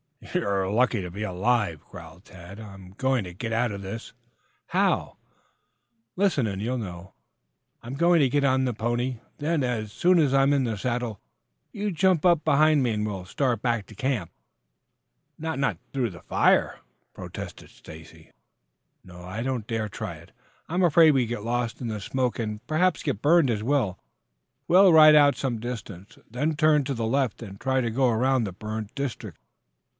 "You're lucky to be alive," growled Tad. "I'm going to get out of this." "How?" "Listen, and you'll know. I'm going to get on the pony; then, as soon as I'm in the saddle, you jump up behind me and we'll start back to camp." "Not not through that fire?" protested Stacy. "No; I don't dare try it. I'm afraid we'd get lost in the smoke and perhaps get burned as well. We'll ride out some distance, then turn to the left and try to go around the burned district."